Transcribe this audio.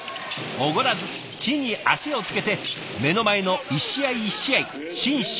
「おごらず地に足をつけて目の前の一試合一試合真摯に取り組む。